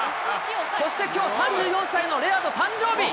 そしてきょう、３４歳のレアード誕生日。